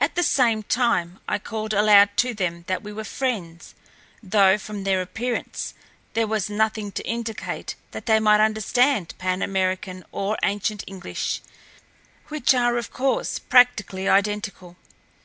At the same time I called aloud to them that we were friends, though, from their appearance, there was nothing to indicate that they might understand Pan American, or ancient English, which are of course practically identical.